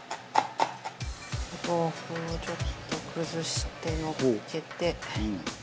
お豆腐をちょっと崩してのっけて。